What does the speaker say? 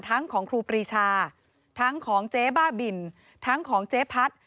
ทั้งของครูปรีชาทั้งของเจ๊บ้าบินทั้งของเจ๊พัด